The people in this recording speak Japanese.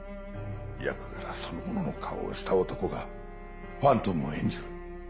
役柄そのものの顔をした男がファントムを演じる。